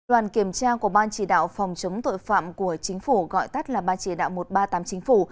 đoàn kiểm tra của ban chỉ đạo phòng chống tội phạm của chính phủ gọi tắt là ban chỉ đạo một trăm ba mươi tám chính phủ